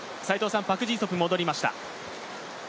パク・ジンソプ、戻りました。